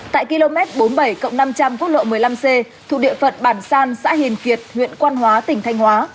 tại km bốn mươi bảy năm trăm linh quốc lộ một mươi năm c thuộc địa phận bản san xã hiền kiệt huyện quan hóa tỉnh thanh hóa